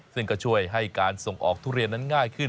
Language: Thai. ซึ่งก็ช่วยให้การส่งออกทุเรียนนั้นง่ายขึ้น